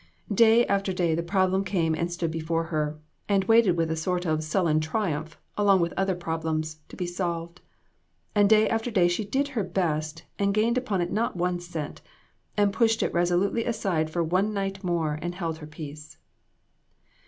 Day after day the problem came and stood before her, and waited with a sort of sullen tri umph along with other problems, to be solved ; and day after day she did her best and gained upon it not one cent, and pushed it resolutely aside for one night more and held her peace.